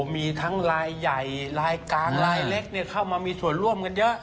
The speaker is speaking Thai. มีทั้งลายใหญ่ลายกลางลายเล็กเข้ามามีส่วนร่วมกันเยอะ